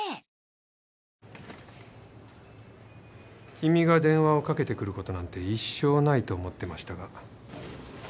君が電話をかけてくることなんて一生ないと思ってましたが。